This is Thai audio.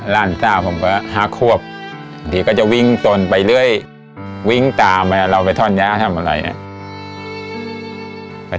ร่านสาวผมก็หาควบบางทีก็จะวิ่งตนไปเรื่อยวิ่งตามเราไปท่อนย้าทำอะไร